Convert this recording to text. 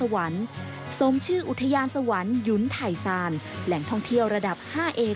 บรรณกรงสร้างพื้นฐานด้านสาธารณประโภค